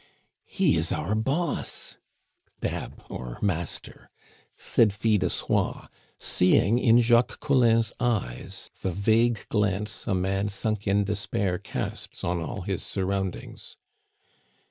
"He is our boss" (dab or master) said Fil de Soie, seeing in Jacques Collin's eyes the vague glance a man sunk in despair casts on all his surroundings.